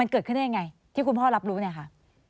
เกิดขึ้นได้ยังไงที่คุณพ่อรับรู้เนี่ยค่ะ